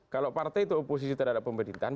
kalau partai itu oposisi terhadap pemerintahan